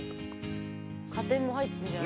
加点も入ってるじゃない。